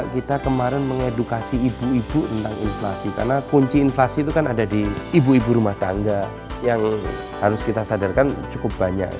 kita kemarin mengedukasi ibu ibu tentang inflasi karena kunci inflasi itu kan ada di ibu ibu rumah tangga yang harus kita sadarkan cukup banyak